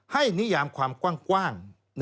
ให้นิยามความกว้างนะครับ